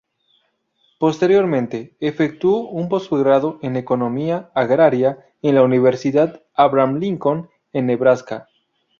Posteriormente, efectuó un postgrado en Economía Agraria en la Universidad Abraham Lincoln, en Nebraska.